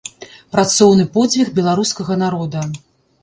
Працоўны подзвіг беларускага народа.